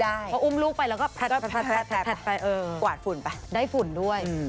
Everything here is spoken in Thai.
เดี๋ยวอุ้มลูกไปยังกวาดฝุ่นไปได้ฝุ่นด้วย